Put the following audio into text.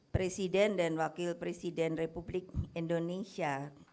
presiden dan wakil presiden republik indonesia